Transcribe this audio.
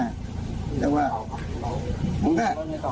แหละว่า